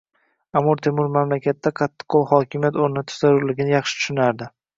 Amir Temur mamlakatda qatiqqo'l hokimiyat o'rnatish zarurligini yaxshi tushunardi.